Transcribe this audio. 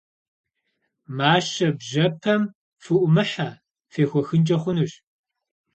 Мащэ бжьэпэм фыӏумыхьэ, фехуэхынкӏэ хъунущ.